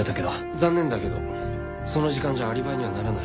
残念だけどその時間じゃアリバイにはならない。